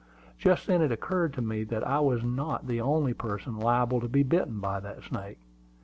Just then it occurred to me that I was not the only person liable to be bitten by that snake.